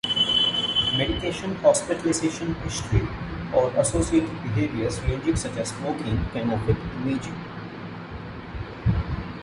Medication, hospitalization history, or associated behaviors ranging such as smoking can affect imaging.